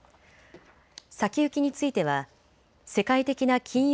先行きについては世界的な金融